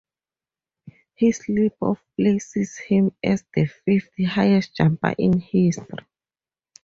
His leap of places him as the fifth-highest jumper in history.